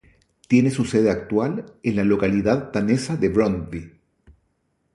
Tiene su sede actual en la localidad danesa de Brøndby.